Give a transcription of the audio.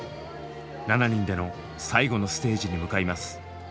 ７人での最後のステージに向かいます。